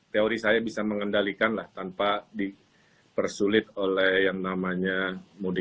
teori saya bisa mengendalikan lah tanpa dipersulit oleh yang namanya mudik